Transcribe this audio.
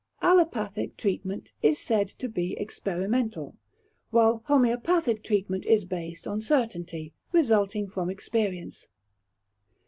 Allopathic treatment is said to be experimental, while Homeopathic treatment is based on certainty, resulting from experience.